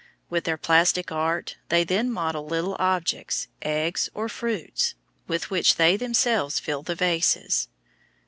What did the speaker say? With their plastic art they then model little objects, eggs or fruits, with which they themselves fill the vases.